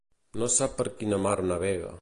No sap per quina mar navega.